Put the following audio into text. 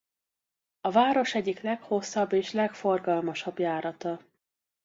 A város egyik leghosszabb és legforgalmasabb járata.